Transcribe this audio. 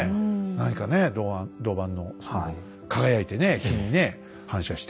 何かね銅板のその輝いてね日にね反射して。